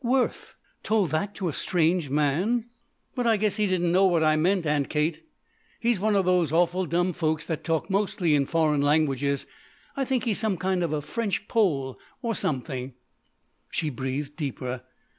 "Worth! Told that to a strange man!" "But I guess he didn't know what I meant, Aunt Kate. He's one of those awful dumb folks that talk mostly in foreign languages. I think he's some kind of a French Pole or something." She breathed deeper.